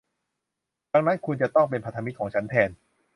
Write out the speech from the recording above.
ดังนั้นคุณจะต้องเป็นพันธมิตรของฉันแทน